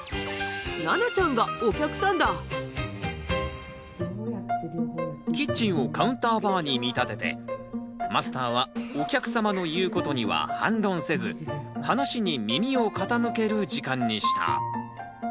らなちゃんがお客さんだキッチンを「カウンターバー」に見立ててマスターはお客様の言うことには反論せず話に耳を傾ける時間にした。